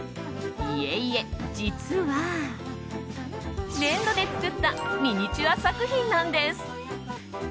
いえいえ、実は粘土で作ったミニチュア作品なんです！